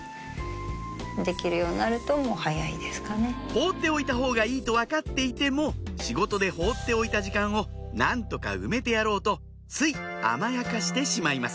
放っておいた方がいいと分かっていても仕事で放っておいた時間を何とか埋めてやろうとつい甘やかしてしまいます